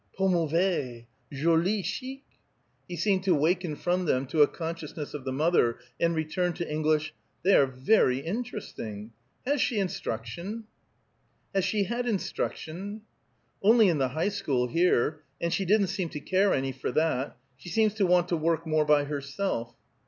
Pas mauvais! Joli! Chic!_" He seemed to waken from them to a consciousness of the mother, and returned to English. "They are very interesting. Has she had instruction?" "Only in the High School, here. And she didn't seem to care any for that. She seems to want to work more by herself."